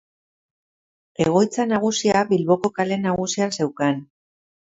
Egoitza nagusia Bilboko Kale Nagusian zeukan.